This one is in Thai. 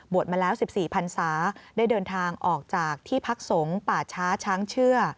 มาแล้ว๑๔พันศาได้เดินทางออกจากที่พักสงฆ์ป่าช้าช้างเชื่อ